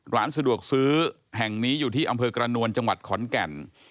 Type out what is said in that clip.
ร้านสะดวกซื้อแห่งนี้อยู่ที่อำเภอกระนวลจังหวัดขอนแก่น